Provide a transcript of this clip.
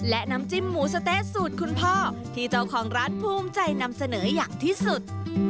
และน้ำจิ้มหมูสะเต๊ะสูตรคุณพ่อที่เจ้าของร้านภูมิใจนำเสนออย่างที่สุด